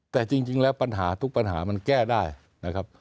แต่จริงแล้วปัญหาทุกปัญหามันแก้ได้นะครับ